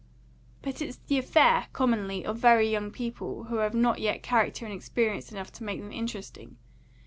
"But it's the affair, commonly, of very young people, who have not yet character and experience enough to make them interesting.